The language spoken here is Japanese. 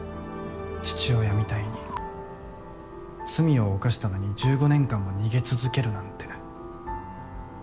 父親みたいに罪を犯したのに１５年間も逃げ続けるなんて。